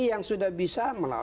ya sudah kita bisa